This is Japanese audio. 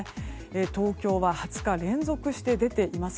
東京は２０日連続して出ています。